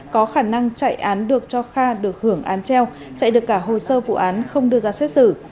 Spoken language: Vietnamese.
có khả năng chạy án được cho kha được hưởng án treo chạy được cả hồ sơ vụ án không đưa ra xét xử